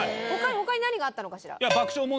他に何があったのかしら？